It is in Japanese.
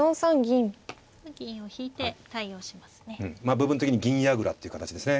部分的に銀矢倉っていう形ですね。